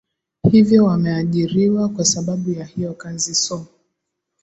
hivyo wameajiriwa kwa sababu ya hiyo kazi so